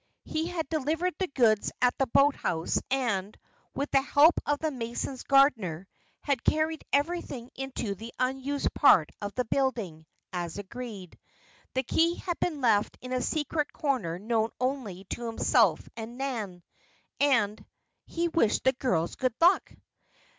He had delivered the goods at the boathouse and, with the help of the Masons' gardener, had carried everything into the unused part of the building, as agreed. The key had been left in a secret corner known only to himself and Nan, and he wished the girls good luck!